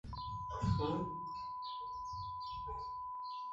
Waakatam wañurquchin lliw wata mikunanpaq.